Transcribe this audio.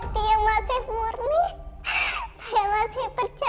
ada hati yang masih murni saya masih percaya